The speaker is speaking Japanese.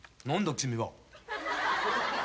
君は。